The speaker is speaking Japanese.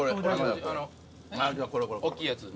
大っきいやつ。